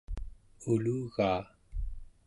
ulugaa